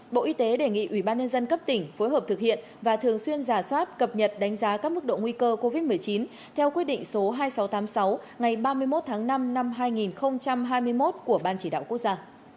bộ y tế đề nghị ubnd cấp tỉnh phối hợp thực hiện và thường xuyên giả soát cập nhật đánh giá các mức độ nguy cơ covid một mươi chín theo quyết định số hai nghìn sáu trăm tám mươi sáu ngày ba mươi một tháng năm năm hai nghìn hai mươi một của ban chỉ đạo quốc gia